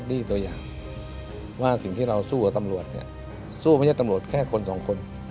สถานีรักษณ์ตัวอย่างว่าสิ่งที่เราสู้กับตำรวจสู้ไม่ส่งแค่คนสองคน